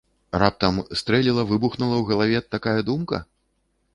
Раптам стрэліла-выбухнула ў галаве такая думка?